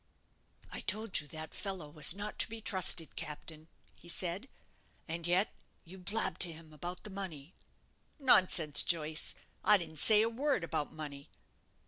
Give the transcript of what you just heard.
"I told you that fellow was not to be trusted, captain," he said; "and yet you blabbed to him about the money." "Nonsense, Joyce. I didn't say a word about money."